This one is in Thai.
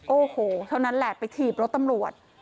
โอ้โหเท่านั้นแหละไปถีบรถตำรวจ